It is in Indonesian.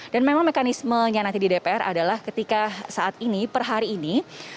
dan memang mekanismenya nanti di dpr adalah ketika saat ini per hari ini